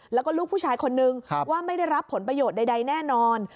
แล้วก็ลูกผู้ชายคนนึงว่าไม่ได้รับผลประโยชน์ใดแน่นอน